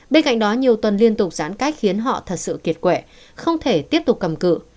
bên cạnh đó nhiều tuần liên tục giãn cách khiến họ thật sự kiệt quệ không thể tiếp tục cầm cự